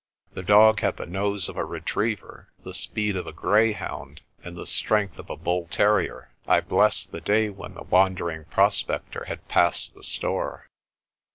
The dog had the nose of a retriever, the speed of a greyhound, and the strength of a bull terrier. I blessed the day when the wan dering prospector had passed the store.